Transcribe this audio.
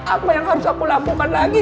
apa yang harus aku lakukan lagi